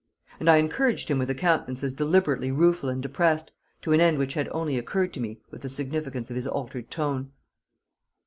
And I encouraged him with a countenance as deliberately rueful and depressed, to an end which had only occurred to me with the significance of his altered tone.